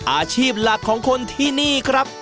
อาชีพหลักของคนที่นี่ครับ